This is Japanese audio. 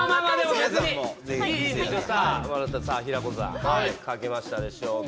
秋元さん、平子さんも書けましたでしょうか。